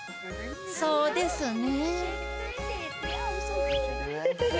そうですね。